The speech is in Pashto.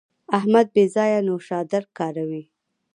احمد بې ځایه نوشادر کاروي.